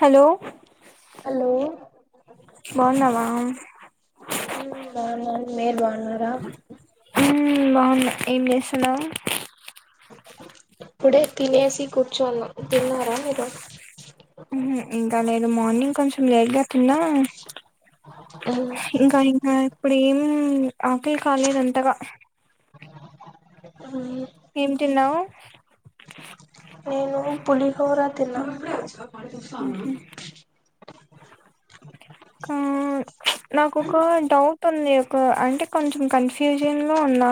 Hello hello బాగున్నావా? నెేన్ బా ఉమ్మ్ బాగున్న ఎం చేస్సన్నావ్? ఇప్పుడే తినేసి కూర్చొన్నా తిన్నారా మీరు? మ్ హు ఇంకా నేను మార్నింగ్ కొంచెం లేట్గా తిన్నా ఇంకా ఇంకా ఇప్పుడు ఆకలి కాలేదంతగా మ్ ఏం తిన్నావ్? నేను పులిహోరా తిన్నా. ఇంకా నాకు ఒక డౌట్ ఉంది ఒక అంటే కొంచెం కన్ఫ్యూజన్ లో ఉన్నా.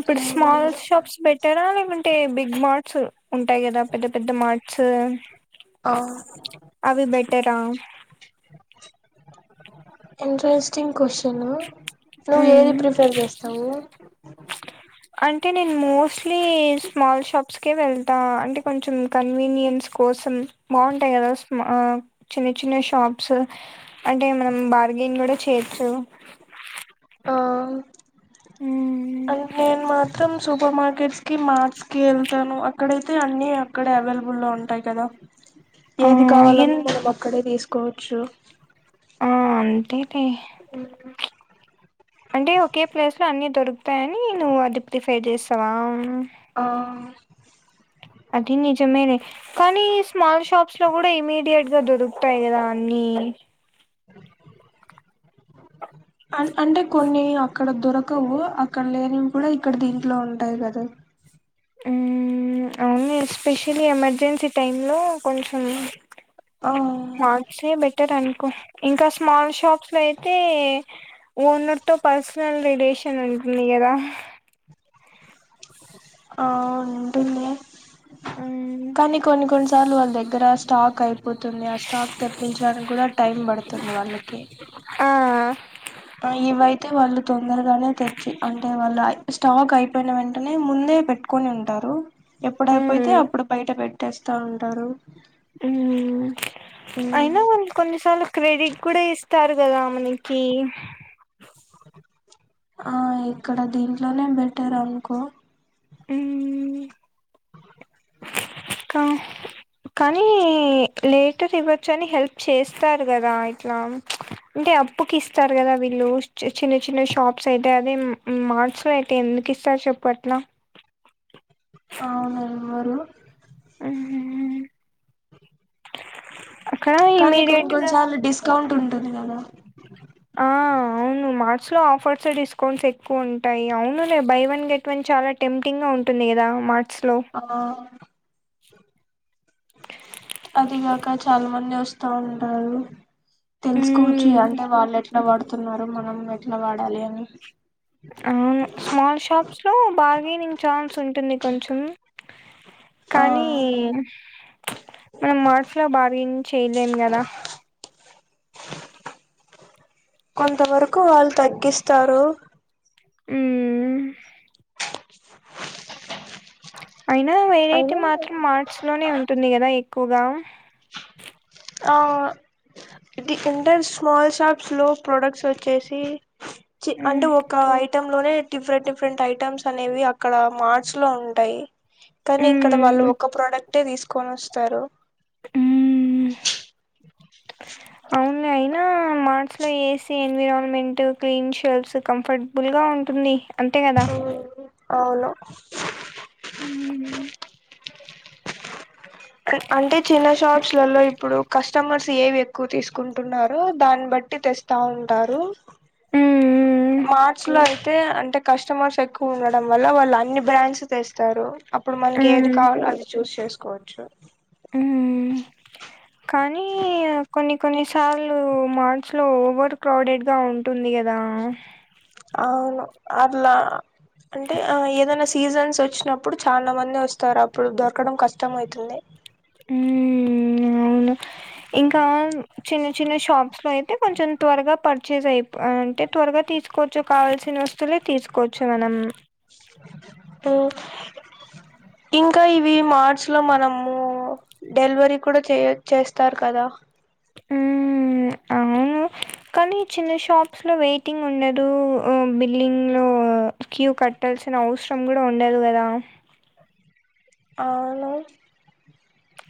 ఇప్పుడు స్మాల్ ఏమని షాప్స్ పెట్టారా లేకుంటే బిగ్ మార్ట్స్ ఉంటాయ్ కదా పెద్ద పెద్ద మార్ట్స్ ఆ ట్స్ అవి బెటరా? ఇంట్రెస్టింగ్ కొశిన్ నువ్ ఏది మ్మ్ ప్రిఫెర్ చేస్తావు? అంటే నేను మోస్ట్లీ స్మాల్ షాప్స్కే వెళ్తా అంటే కొంచెం కన్వీనియన్స్ కో కోసం బాగుంటాయ్ కదా చిన్న చిన్న షాప్స్ అంటే మన బార్గిం కూడా చెయ్యొచ్చు మ్మ్. అం నేను మాత్రం సూపర్ మార్ కిట్స్ కి మార్ట్స్ కి వెళ్తాను అక్కడైతే అన్ని అక్కడ అవైలబుల్ లో ఉంటాయి కదా ఆ ఏది ఎన్ కావాలన్న మనం అక్కడే తీసుకోవచ్చు. అంటెటే మ్ అంటే ఒకే ప్లేస్ లో అన్ని దొరుకుతాయని నువ్వు అది ప్రిఫేర్ చేస్తావా? ఆ అది నిజమేలే కానీ స్మాల్ షాప్స్ లో కూడా ఇమీడియట్ గా దొరుకుతాయి కదా అన్ని అ అంటే కొన్ని అక్కడ దొరకవు అక్కడ లేనివి కూడా ఇక్కడ దీంట్లో ఉంటాయి కదా ఉమ్ అవును ఎస్పెషలీ ఎమర్జెన్సీ టైంలో కొంచెం ఆ మాల్స్ బెటర్ అని ఇంకా స్మాల్ షాప్స్ లో అయితే ఓనర్ తో పర్సనల్ రిలేషన్ ఉ ఉంది కధ అ ఉంటంది ఉమ్ కానీ కొన్ని కొన్ని స సార్లు వాళ్ళ దగ్గర స్టాక్ అయి పోతుంది ఆ స్టాక్ తెప్పించడానికి కూడా టైం పడుతుంది వాళ్ళకి ఆ ఇవయితే వాళ్ళు తొందరగానే తెచ్చి అంటే వాళ్ళు స్టాక్ అయిపోయిన వెంటనే ముందు పెట్టుకొని ఉంటారు ఉమ్ ఎప్పుడయిపోయితే అప్పుడు బయట పెట్టేస్తా ఉంటారు ఉమ్ ఉమ్, అయినా కొన్నిసార్లు క్రేడి కూడా ఇస్తారు కదా మనకి ఆ ఇక్కడ దీంట్లోనే బెటర్ అనుకో ఉమ్ ఇంకా కానీ లేటర్ ఇవ్వచ్చ అని హెల్ప్ చేస్తారు కదా ఇట్లా అంటే టె అప్పుకి ఇస్తారు కదా వీళ్ళు చిన్న చిన్న షాప్స్ అయితే అదే మాల్స్ లో అయితే ఎందుకిస్తారు సేపట్ల అవున వారు ఉమ్ అక్కడ కానీ కొన్ని ఇమీడియట్గా కొన్నిసార్లు డిస్కౌంట్ ఉంటుంది కదా ఆ అవును మా మస్ లో ఆఫర్స్ డిస్కౌంట్స్ ఎక్కువ ఉంటాయి అవునులే బై వన్ గెట్ వన్ చాలా టెంప్టింగ్ గా ఉంటుంది కదా మార్ట్ ఆ అదిగాక చాలా మంది వస్తా ఉంటారు తెలుసుకోవచ్చు మ్మ్ అంటే వాళ్ళు ఎట్లా వాడుతున్నారు మనం ఎట్లా వాడాలి అని స్మాల్ షాప్స్ లో బార్గెనింగ్ ఛాన్స్ ఉంటుంది కొంచెం ఆ కానీ మనం మార్ట్స్ లో బాగాం చేయలేం కదా కొంత వరకు వాళ్ తగ్గిస్తారు ఉమ్ అయినా వెరైటీ అయినా మాత్రం మార్ట్స్ లోనే ఉంటుంది కదా ఎక్కువగా ఆ ఇది ఎంటర్ స్మాల్ షాప్స్లో ప్రోడక్ట్స్ వచ్చేసి మ్మ్ అంటే ఒక ఐ టమ్ లోనే డిఫరెంట్ డిఫరెంట్ ఐటమ్స్ అనేవి అక్కడ మార్స్ లో ఉంటాయి కానీ ఇక్కడ వాళ్ళు మ్మ్ ఒక ప్రోడక్టే తీసుకొని వస్తారు అవున్లె అయ్ అయినా మార్ట్స్ లో AC environment clean shelves comfortable గా ఉంటుంది అంతే కదా అవును ఉమ్ అంటే చిన్న షాప్స్ లలో ఇప్పుడు కస్టమర్స్ ఏవి ఎక్కువ తీసుకుంటున్నారో దాన్ని బట్ ట్టి తెస్తా ఉంటారు హ్మ్. మార్చ్ లో అయితే అంటే కస్టమర్స్ ఎక్కువ ఉండడం వల్ల వాళ్ళు అన్ని బ్రాండ్స్ తెస్తారు అప్పుడు మనకి ఏది హ్మ్. కావాలో అది చూస్ చేసుకోవచ్చు ఉమ్ కానీ కొన్ని కొన్ని సార్లు మా ర్టుస్లో ఓవర్ క్రౌడెడ్ గా ఉంటుంది కదా అవును అట్లా అంటే ఆ ఏదైనా సీజన్స్ వచ్చినప్పుడు చాలా మంది వస్తారు అప్పుడు దొరకడం కష్టమయితుంది మ్మ్ ఇంకా చిన్న చిన్న షాప్స్ లో అయితే కొంచెం త్వరగా పడు చేసేయి ఇప్పు అంటే త్వరగా తీసుకోవచ్చు కావల్సిన వస్తువులే తీసుకోవచ్చు మనం ఇంకా ఇవి మార్చి లో మనము డెలివరీ కూడా చేయ చేస్తారు కదా హ్మ్. అవును. కానీ ఈ చిన్న షాప్స్ లో వెయిటింగ్ ఉండదు, బిల్లింగ్ లో క్యూ కట్టాల్సిన అవసరం కూడా ఉండదు కదా అవును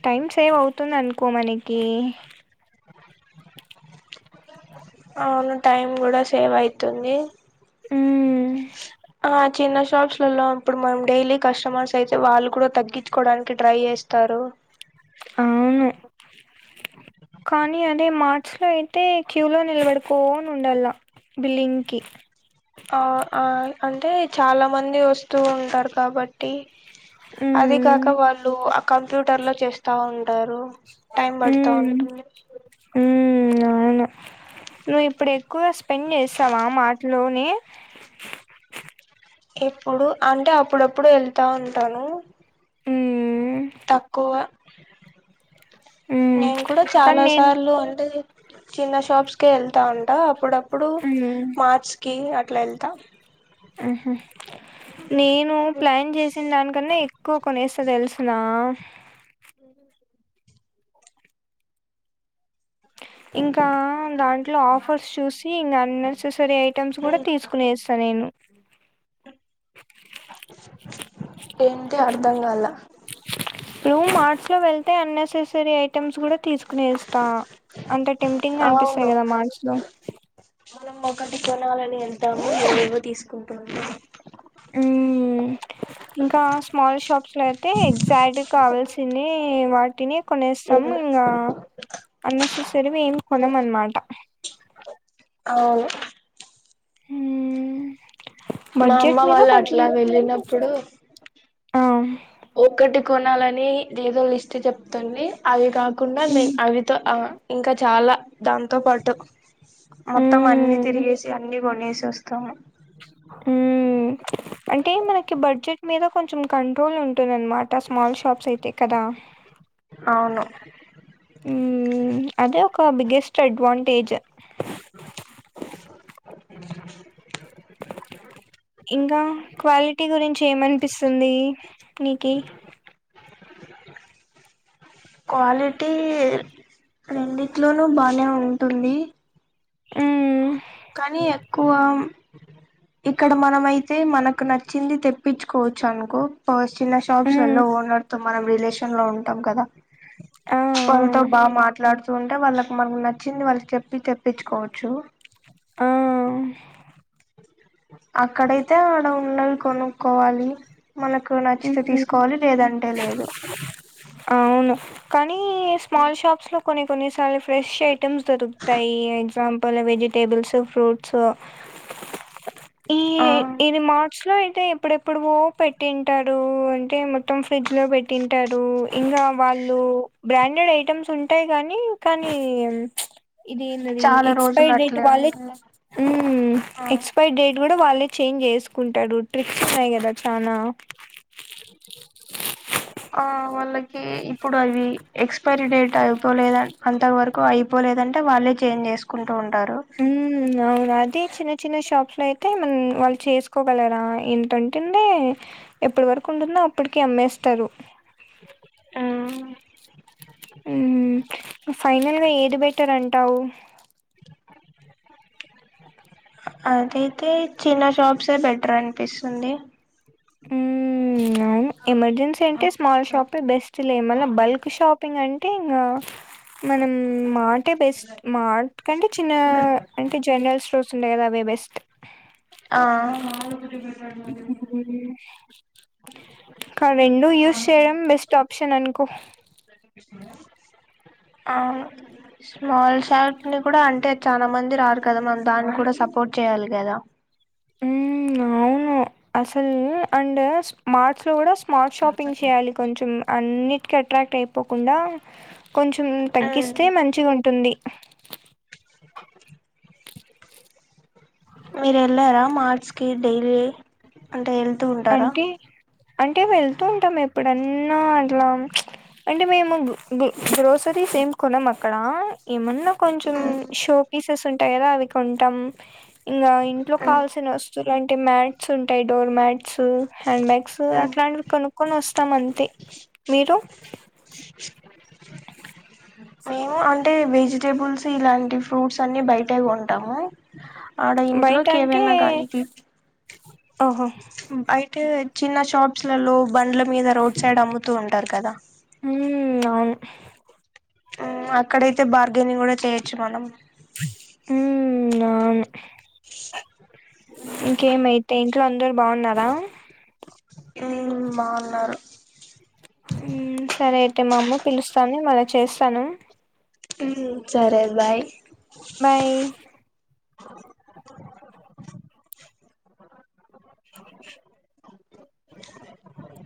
టైమ్ సేవ్ అవుతుంది అనుకో మనకి అవును టైం కూడా సేవ్ అయితుంది హ్మ్ ఆ చిన్న షాప్స్ లల్లో అప్పుడు మనం డైలీ కస్టమర్స్ అయితే వాళ్ళు కూడా తగ్గించుకోవడానికి ట్రై చేస్తారు అవును కానీ అదే మార్చ్ లో అయితే క్యూ లో నిలబడుకోని ఉండల్లా బిల్లింగ్ కి ఆ ఆ అంటే చాలా మంది వస్తూ ఉంటారు కాబట్టి అది హ్మ్ కాక వాళ్ళు ఆ కంప్యూటర్ లో చేస్తా ఉ మ్మ్ మ్మ్ అవును నువ్వు ఇప్పుడు ఎక్కువ స్పెండ్ చేస్తావా మార్ట్ లోని ఎప్పుడు అంటే అప్పుడప్పుడు వెళ్తా ఉంటాను హ్మ్ తక్కువ, హ్మ్ నేను కూడా కానీ చాలా నేను సార్లు అంటే చిన్న షాప్స్ కే వెళ్తా ఉంట అప్పుడప్పుడు హ్మ్ మార్ట్స్ కి అట్లెల్త మ్మ్ హ్మ్ నేను ప్లాన్ చేసిన దానికన్నా ఎక్కువ కొనేస్తా తెలుసు నా ఇంకా దాంట్లో ఆఫర్స్ చూసి ఇంకా అన్నెసెసరీ ఐటమ్స్ కూడా తీసుకునేస్తా నేను ఏంటి అర్థం కాలే ఇప్పుడు మార్ట్స్ లో వెళ్తే అన్నెసెసరీ ఐటెమ్స్ కూడా తీసుకొనేస్తా అంత టెప్టింగ్ గా అనిపిస్తాయి అవును కదా మార్ట్స్ లో మనం ఒకటి కొనాలని వెళ్తాము [inaudible] తీసుకుంటం మ్మ్ ఇంకా స్మాల్ షాప్స్ లో అయితే ఎగ్జాక్ట్ కావాల్సింది వాటినే కొనేస్ తం ఇంకా అన్నెసెసరీవి ఏం కొనమనమాట అవును మ్మ్ మా అమ్మ వాళ్ళు అట్లా వెళ్ళినప్పుడు ఆ ఒక్కటి కొనాలని ఏదో లిస్ట్ చెప్తుంది అవి కా కుండా నే మ్మ్ అవితో ఆ ఇంకా చాలా దాంతో పాటు మొత్తం అన్ని మ్మ్ తిరిగేసి అన్ని కొనేసి వస్తాము మ్మ్ అంటే మనకి బడ్జెట్ మీద కొంచెం కంట్రోల్ ఉంటుందనమాట స్మాల్ షాప్స్ అయితే కదా అవును అదే ఒక బిగ్గెస్ట్ అడ్వాంటేజ్ అ ఇంకా క్వాలిటీ గురించి ఏమనిపిస్తుంది నీకి క్వాలిటీ రెండిట్లోనూ బానే ఉంటుంది ఊమ్ కానీ ఎక్కువ ఇక్కడ మనమయితే మనకు నచ్చింది తెప్పించుకోవచ్చు అనుకో పర్ చిన్న షాప్స్ ఉమ్ లలో ఓనర్ తో మనం రిలేషన్ లో ఉంటాం కదా ఆ వాళ్ల తో బాగా మాట్లాడుతు తు ఉంటే వాళ్ళకి మనకి నచ్చింది వాళ్ళకి చెప్పి తెప్పించుకోవచ్చు ఆ అక్కడైతే ఆడ ఉన్నవి కొనుక్కోవాలి మనకు నచ్చితే ఉమ్ తీసుకోవాలి లేదంటే లేదు అవును కానీ స్మాల్ షాప్స్ లో కొన్ని కొన్నిసార్లు ఫ్రెష్ ఐటెమ్స్ దొరుకుతాయి ఎగ్జాంపు పుల్ వెజిటేబుల్స్ ఫ్రూట్స్ ఈ ఆ ఇవి మార్ట్స్ లో అయితే ఏప్పుడెప్పుడివో పెట్టింటారు టే మొత్తం ఫ్రిడ్జ్ లో పెట్టింటారు ఇంకా వాళ్ళు బ్రాండెడ్ ఐటెమ్స్ ఉంటాయి కానీ కానీ ఇదేందది చాలా రోజులు ఎక్స్పైర్ డేట్ అట్లే వాలెట్ ఉంటాయి ఉమ్ ఎక్స్పైర్ డేట్ కూడా వాళ్ళే చేంజ్ చేసుకుంటారు ట్రిప్స్ ఉన్నాయి కదా చానా ఆ వాళ్ళ ఇప్పుడు అవి ఎక్స్పైరీ డేట్ అయిపోలేద అంత వరకు అయిపోలేదంటే వాళ్ళే చేంజ్ చేసుకుం ఉమ్ అవునా అది చిన్న చిన్న షాప్స్ లో అయితే మం వాళ్ళు చేసుకు ఒకోగలరా ఇంతంటుందే ఎప్పటి వరకు ఉంటుందో అప్పటికి అమ్మేస్తారు ఉమ్ ఫైనల్గా ఏది బెటర్ అంటావు అదైతే చిన్న షాప్సే బెటర్ అనిపిస్తుంది ఉమ్ అవును ఎమర్జెన్సీ అంటే స్మాల్ షాపి బెస్ట్ లే మళ బల్క్ షాపింగ్ అం తే ఇంగ మనం మాటే బెస్ట్ మాట్ కంటే చిన్న అంటే జనరల్ స్టో ర్స్ ఉన్నాయి కదా అవే బెస్ట్ ఆ ఇంక రెండు యూస్ చేయడం బెస్ట్ ఆప్షన్ అనుకో అవును స్మాల్ షాప్ ని కూడా అంటే చానా మంది రారు కదా మనం దాన్ని కూడా సపోర్ట్ చేయాలి కదా ఉమ్ అవును అసలు అండ్ మార్ట్స్లో కూడా స్మార్ట్ షాపింగ్ చేయాలి కొంచెం అన్నిటికీ అట్రాక్ట్ అయిపోకుండా కొంచెం తగ్గిస్తే మంచిగా ఉంటుంది మార్స్కి డైలీ అంటే ఉంటారా అంటే అంటే వెళ్తూ ఉంటాం ఎప్పుడన్నా అట్లా అంటే మేము గో-గ్రోసరీస్ ఏమి కొనం అక్కడ ఏమన్నా కొంచెం షో పీసెస్ ఉంటాయి కదా అవి కొంటాం ఇంకా ఇంట్లో కావాల్సిన వస్తు ఇలాంటి మ్యాట్స్ ఉంటాయి డోర్ మ్యాట్స్ హ్యాండ్ బ్యాగ్స్ అట్లాంటివి కొనుక్కొని వస్తాయి మోత్తమంతే మీరు మేము అంటే వెజిటేబుల్స్ ఇలాంటి ఫ్రూట్స్ అన్ని బయటే కొంటాము ఆడ బయట ఇంట్లోకి ఏవైనా కానీది ఆహా అయితే చిన్న షాప్స్లలో బండ్ల మీద రోడ్ సైడ్ అమ్ముతూ ఉంటారు కదా ఉమ్ అవును అక్కడయితే బార్గెనింగ్ కూడా చేయొచ్చు మనం ఉం అవును ఇంకేమయితే ఇంట్లో వాళ్ళు బాగున్నారా మ్మ్ బాగున్నారు మ్మ్ సరే అయితే మా అమ్మ పిలుస్తాంది మళ్ళ చేస్తాను మ్మ్ సరే బాయ్ బాయ్ [inaudible] [unintelligible] లేకపొయ